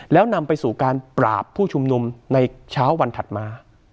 แล้วนำไปสู่การปราบผู้ชุมนุมในเช้าวันถัดมา